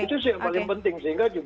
itu yang paling penting